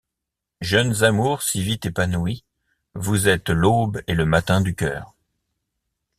Jeunes amours, si vite épanouies, Vous êtes l’aube et le matin du cœur.